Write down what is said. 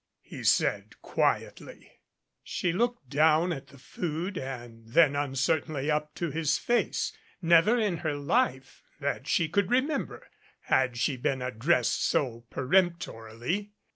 he said, quietly. She looked down at the food and then uncertainly up to his face. Never in her life, that she could remember, had she been addressed so peremptorily.